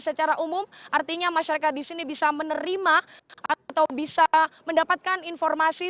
secara umum artinya masyarakat di sini bisa menerima atau bisa mendapatkan informasi